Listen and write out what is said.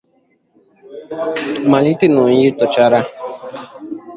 malite n'onye tọchara